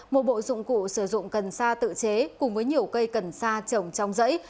một bộ dụng cụ sử dụng cần sa tự chế cùng với nhiều cây cần sa trồng trong giấy